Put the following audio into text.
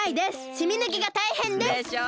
しみぬきがたいへんです！でしょう？